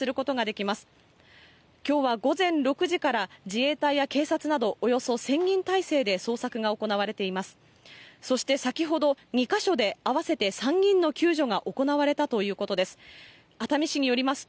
きょうは午前６時から自衛隊や警察など、およそ１０００人態勢で捜索が行われています。